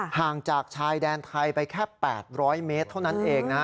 ห่างจากชายแดนไทยไปแค่๘๐๐เมตรเท่านั้นเองนะ